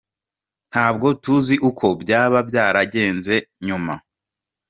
Nta bwo tuzi uko byaba byaragenze nyuma.